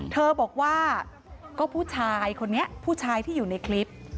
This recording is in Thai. เธอบอกว่าก็ผู้ชายคนนี้ผู้ชายที่อยู่ในคลิป